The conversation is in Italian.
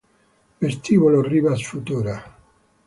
Vestibolo Rivas Futura